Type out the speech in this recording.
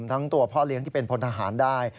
ทั้งตัวพ่อเลี้ยงที่เป็นพลทหารได้